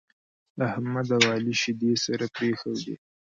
احمد او عالي شيدې سره پرېښودې.